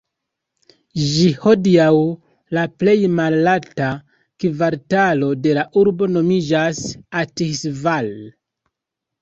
Ĝis hodiaŭ, la plej malalta kvartalo de la urbo nomiĝas "Athis-Val".